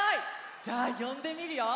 じゃあよんでみるよ！